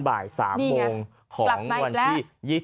บ่าย๓โมงของวันที่๒๒